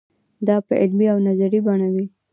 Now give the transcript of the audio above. دا په عملي او نظري بڼه وي.